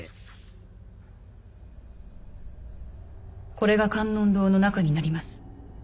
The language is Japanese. これが観音堂の中になります。